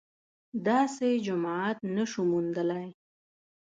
داسې جماعت نه شو موندلای